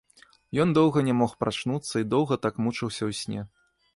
Ён доўга не мог прачнуцца і доўга так мучыўся ў сне.